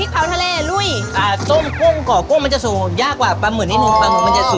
อีกขอบหนัดจะใส่ลงไปตาม